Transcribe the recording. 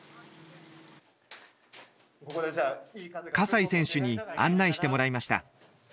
西選手に案内してもらいました。